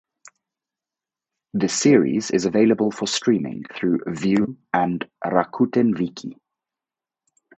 The series is available for streaming through Viu and Rakuten Viki.